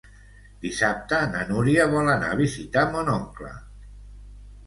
Dissabte na Núria vol anar a visitar mon oncle.